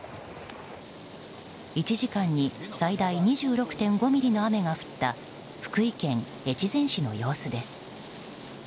１時間に最大２６．５ミリの雨が降った福井県越前市の様子です。